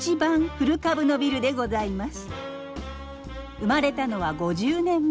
生まれたのは５０年前。